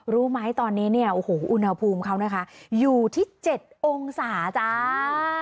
รู้ไหมตอนนี้เนี่ยโอ้โหอุณหภูมิเขานะคะอยู่ที่๗องศาจ้า